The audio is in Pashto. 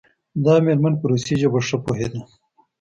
دا میرمن په روسي ژبه ښه پوهیده.